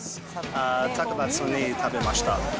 高松に食べました。